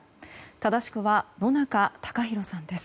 正しくは、野中貴弘さんです。